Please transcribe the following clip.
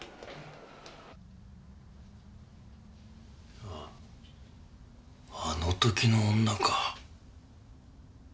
あっあの時の女か。